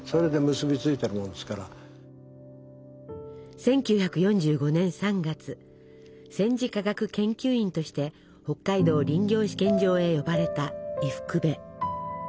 １９４５年３月戦時科学研究員として北海道林業試験場へ呼ばれた伊福部。